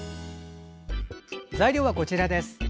材料はこちらです。